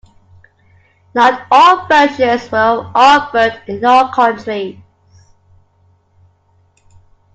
Not all versions were offered in all countries.